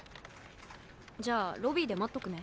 じゃあロビーで待っとくね。